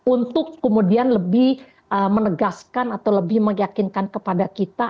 untuk kemudian lebih menegaskan atau lebih meyakinkan kepada kita